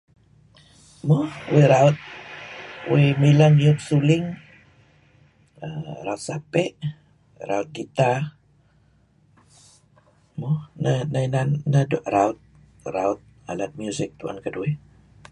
Mo uih raut doo' ileh ngiup suling, raut Sape' , raut guitar mo neh raut-raut anak music tuen keduih.